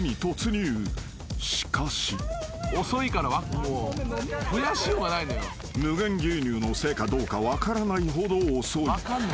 ［しかし］［無限牛乳のせいかどうか分からないほど遅い］